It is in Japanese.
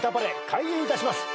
開演いたします。